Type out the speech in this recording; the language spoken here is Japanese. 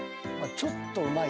ちょっとうまい。